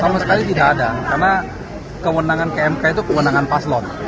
sama sekali tidak ada karena kewenangan kmk itu kewenangan paslon